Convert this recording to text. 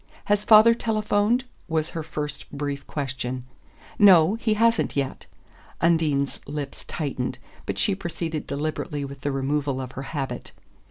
"Has father telephoned?" was her first brief question. "No, he hasn't yet." Undine's lips tightened, but she proceeded deliberately with the removal of her habit.